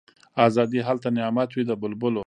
آزادي هلته نعمت وي د بلبلو